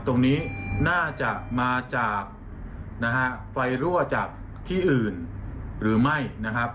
ตรงนี้น่าจะมาจากนะฮะไฟรั่วจากที่อื่นหรือไม่นะครับ